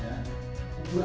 badak itu lebih besar